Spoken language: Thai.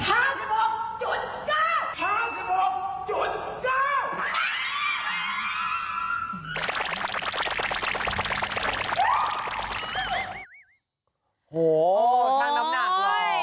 โอ้โหช่างน้ำหนักเลย